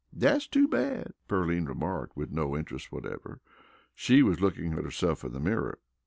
"Dat's too bad," Pearline remarked with no interest whatever. She was looking at herself in the mirror.